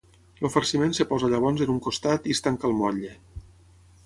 El farciment es posa llavors en un costat i es tanca el motlle.